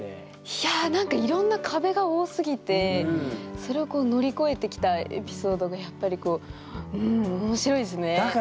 いやなんかいろんな壁が多すぎてそれを乗り越えてきたエピソードがやっぱりこううん面白いですね。